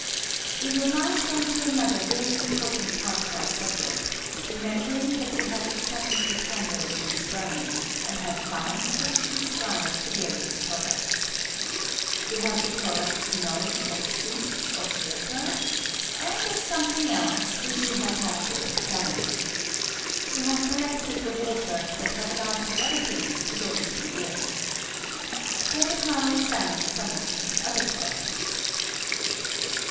We vrill now turn to another very important part of our subject, remembering that we have examined the candle in its burning, and have OTHEE PRODUCTS FROM THE CANDLE. 141 found that it giTes rise to various products. "We have the products, you know, of soot, of water, and of something else, which you have not yet examined. We have collected the water, but have allowed the other things to go into the air. Let us now examine some of these other products.